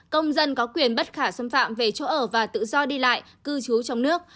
công dân có quyền bất khả xâm phạm về chỗ ở và tự do đi lại cư trú trong nước